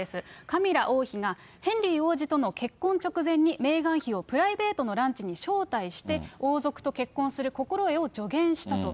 カミラ王妃が、ヘンリー王子との結婚直前にメーガン妃をプライベートのランチに招待して、王族と結婚する心得を助言したと。